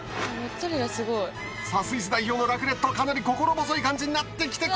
さあスイス代表のラクレットかなり心細い感じになってきて